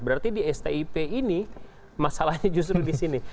berarti di stip ini masalahnya justru di sini